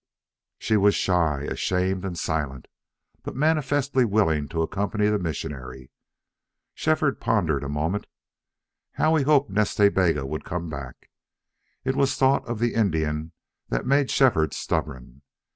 She was shy, ashamed, and silent, but manifestly willing to accompany the missionary. Shefford pondered a moment. How he hoped Nas Ta Bega would come back! It was thought of the Indian that made Shefford stubborn.